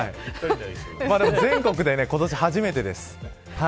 全国で今年初めてです。